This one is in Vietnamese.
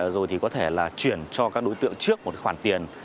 rồi thì có thể là chuyển cho các đối tượng trước một khoản tiền